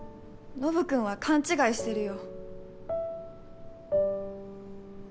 ノブ君は勘違いしてるよ。